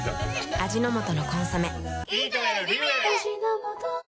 味の素の「コンソメ」